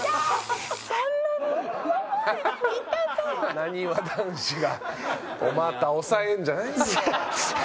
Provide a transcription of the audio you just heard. なにわ男子がお股を押さえるんじゃないよ。